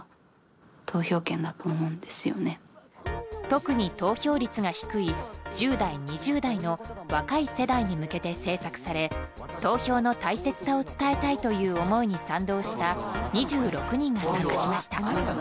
特に投票率が低い１０代２０代の若い世代に向けて制作され投票の大切さを伝えたいという思いに賛同した２６人が参加しました。